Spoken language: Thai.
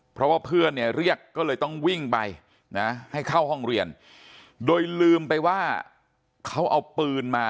เพราะว่าเพื่อนเนี่ยเรียกก็เลยต้องวิ่งไปนะให้เข้าห้องเรียนโดยลืมไปว่าเขาเอาปืนมา